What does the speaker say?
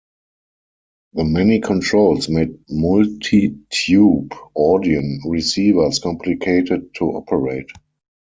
The many controls made multitube Audion receivers complicated to operate.